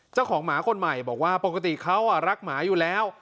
เจ้าของหมาคนใหม่บอกว่าปกติเขารักหมาอยู่แล้ว